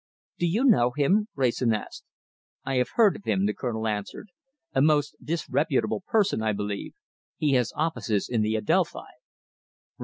"Do you know him?" Wrayson asked. "I have heard of him," the Colonel answered. "A most disreputable person, I believe. He has offices in the Adelphi."